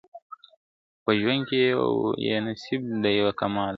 خو په ژوند کي یې نصیب دا یو کمال وو !.